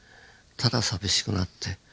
ただ寂しくなって。